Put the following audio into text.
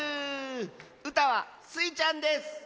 うたはスイちゃんです！